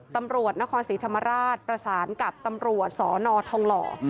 ตำรวจนครศรีธรรมราชประสานกับตำรวจสนทองหล่อ